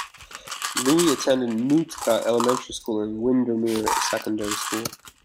Louie attended Nootka Elementary School and Windermere Secondary School.